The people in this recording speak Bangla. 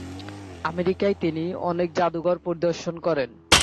আমেরিকায় তিনি অনেক জাদুঘর পরিদর্শন করেন।